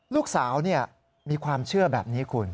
ลูกสาวมีความเชื่อแบบนี้คุณ